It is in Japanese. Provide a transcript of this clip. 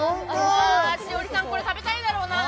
栞里さん、これ食べたいだろうな。